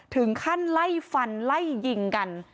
ถึงขั้นไล่ฟันไล่ยิงกัน